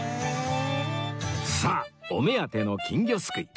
さあお目当ての金魚すくい